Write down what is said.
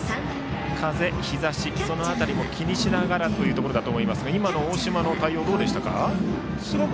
風、日ざし、その辺りも気にしながらだと思いますが今の大島の対応、どうでしたか？